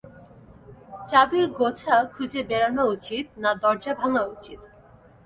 চাবির গোছা খুঁজে বেড়ানো উচিত, না দরজা ভাঙা উচিত।